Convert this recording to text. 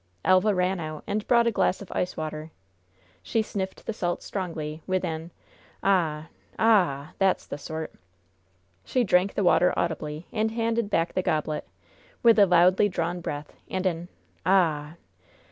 Elva ran out and brought a glass of ice water. She sniffed the salts strongly, with an: "Ah! Ah h! That's the sort!" She drank the water audibly, and handed back the goblet, with a loudly drawn breath and an: "Ah!